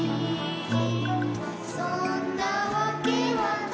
「そんなわけはないけれど」